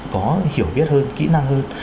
có hiểu biết hơn kỹ năng hơn